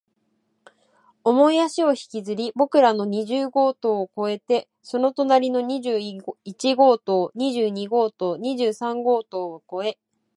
重い足を引きずり、僕らの二十号棟を越えて、その隣の二十一号棟、二十二号棟、二十三号棟を越え、